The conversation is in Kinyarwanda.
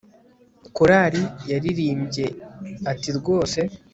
korali yaririmbye ati 'rwose